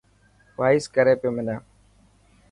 وائس ڪري پيو منا.